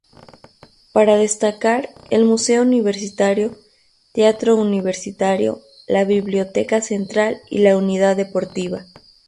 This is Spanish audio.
Para destacar el Museo Universitario, Teatro Universitario, la Biblioteca Central y la Unidad Deportiva.